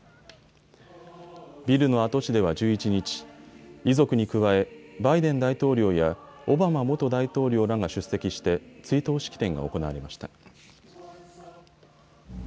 ビルの跡地では１１日、遺族に加えバイデン大統領やオバマ元大統領らが出席して追悼式典が行われました。